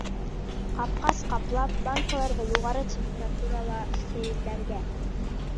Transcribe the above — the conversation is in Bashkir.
Ҡапҡас ҡаплап, банкаларҙы юғары температурала стерилләргә.